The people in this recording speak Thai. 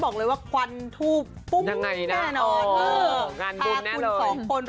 กว่านทูปปุ๊บแน่นอน